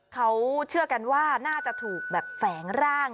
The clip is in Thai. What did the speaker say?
เขาเชื่อกันว่าน่าจะถูกแบบแฝงร่าง